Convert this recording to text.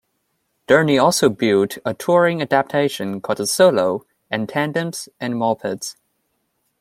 Derny also built a touring adaptation called the 'Solo' and tandems and mopeds.